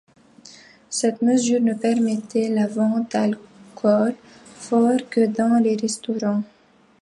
Cette mesure ne permettait la vente d'alcools forts que dans les restaurants.